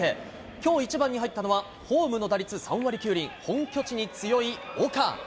きょう１番に入ったのは、ホームの打率３割９厘、本拠地に強い岡。